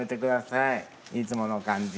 いつもの感じ。